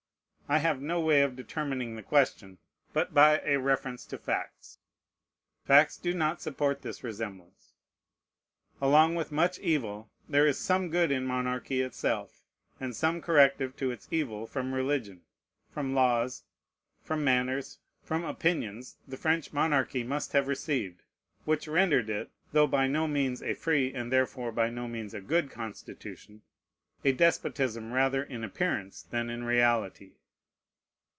I have no way of determining the question but by a reference to facts. Facts do not support this resemblance. Along with much evil, there is some good in monarchy itself; and some corrective to its evil from religion, from laws, from manners, from opinions, the French monarchy must have received, which rendered it (though by no means a free, and therefore by no means a good constitution) a despotism rather in appearance than in reality.